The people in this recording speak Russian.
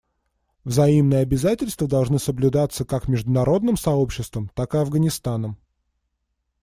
Взаимные обязательства должны соблюдаться как международным сообществом, так и Афганистаном.